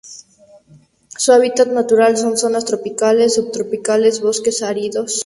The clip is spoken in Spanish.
Su hábitat natural son: zonas tropicales o subtropicales, bosques áridos.